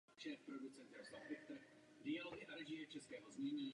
Nyní jsme ukázali, že to možné je.